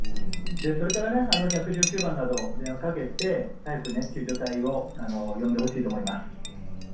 それから１１９番など電話をかけて早く救助隊を呼んでほしいと思います。